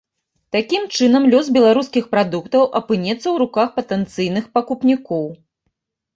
Такім чынам, лёс беларускіх прадуктаў апынецца ў руках патэнцыйных пакупнікоў.